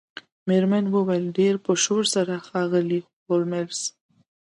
میرمن وویل ډیر په شور سره ښاغلی هولمز